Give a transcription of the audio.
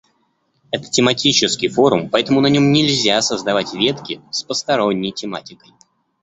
Это тематический форум, поэтому на нём нельзя создавать ветки с посторонней тематикой.